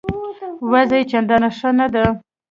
وضع یې چنداني ښه نه ده.